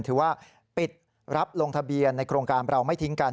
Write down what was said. ถือว่าปิดรับลงทะเบียนในโครงการเราไม่ทิ้งกัน